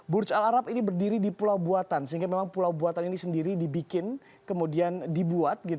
burj al arab ini berdiri di pulau buatan sehingga memang pulau buatan ini sendiri dibikin kemudian dibuat